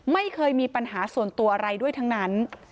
ไม่เคยมีปัญหาส่วนตัวอะไรด้วยทั้งนั้น